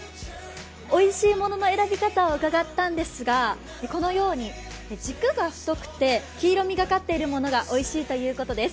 おいしいものの選び方を伺ったんですが、軸が太くて黄色みがかっているものがおいしいということです。